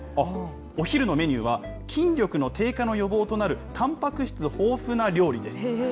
お昼のメニューは、筋力の低下の予防となる、たんぱく質豊富な料理です。